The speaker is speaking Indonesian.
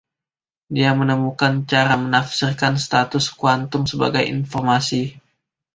Dia menemukan cara menafsirkan status kuantum sebagai informasi.